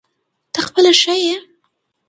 ته خپله ښه یې ؟